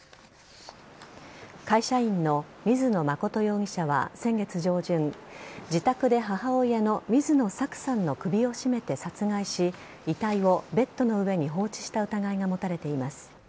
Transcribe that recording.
会社員の水野誠容疑者は先月上旬自宅で母親の水野さくさんの首を絞めて殺害し遺体をベッドの上に放置した疑いが持たれています。